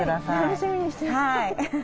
楽しみにしてます。